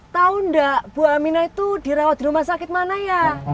tahu nggak bu amina itu dirawat di rumah sakit mana ya